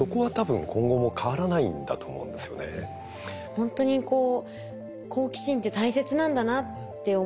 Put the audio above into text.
ほんとにこう好奇心って大切なんだなって思います。